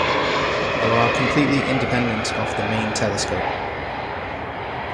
They are completely independent of the main telescope.